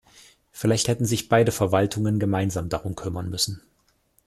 Vielleicht hätten sich beide Verwaltungen gemeinsam darum kümmern müssen.